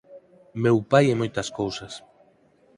Meu pai é moitas cousas.